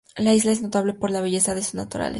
La isla es notable por la belleza de su naturaleza.